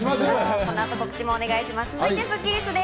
この後、告知もお願いします。